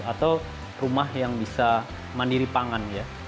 atau rumah yang bisa mandiri pangan ya